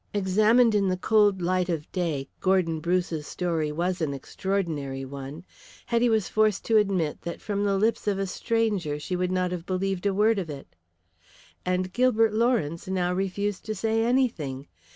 Examined in the cold light of day, Gordon Bruce's story was an extraordinary one. Hetty was forced to admit that from the lips of a stranger she would not have believed a word of it. And Gilbert Lawrence now refused to say anything.